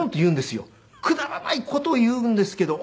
くだらない事を言うんですけど。